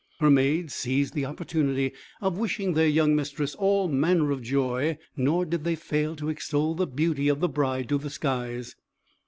Her maids seized the opportunity of wishing their young mistress all manner of joy, nor did they fail to extol the beauty of the bride to the skies.